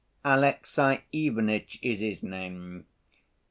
"Alexey Ivanitch is his name.